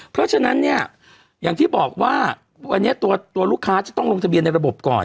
เพราะฉะนั้นเนี่ยอย่างที่บอกว่าวันนี้ตัวลูกค้าจะต้องลงทะเบียนในระบบก่อน